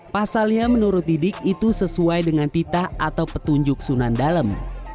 pasalnya menurut didik itu sesuai dengan titah atau petunjuk sunan dalem